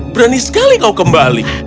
berani sekali kau kembali